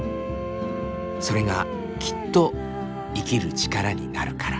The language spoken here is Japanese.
それがきっと生きる力になるから。